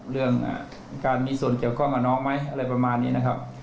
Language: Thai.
เรื่องการมีส่วนเกี่ยวข้องกับน้องไหมอะไรประมาณนี้นะครับ